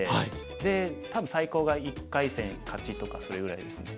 で多分最高が１回戦勝ちとかそれぐらいですね。